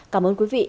cảm ơn quý vị